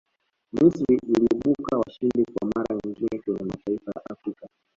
misri iliibuka washindi kwa mara nyingine kwenye mataifa ya afrika